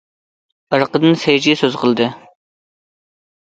ئارقىدىن سەي چى سۆز قىلدى.